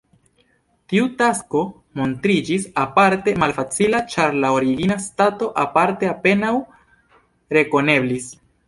Tiu tasko montriĝis aparte malfacila, ĉar la origina stato parte apenaŭ rekoneblis.